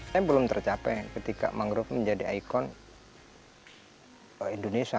tapi belum tercapai ketika mangrove menjadi ikon indonesia